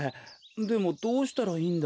でもどうしたらいいんだ？